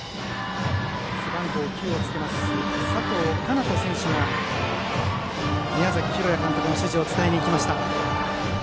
背番号９をつける佐藤哉斗選手が宮崎裕也監督の指示を伝えに行きました。